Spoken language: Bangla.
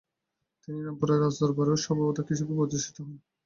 তিনি রামপুরের রাজদরবারেও সভাবাদক হিসেবে অধিষ্ঠিত হন।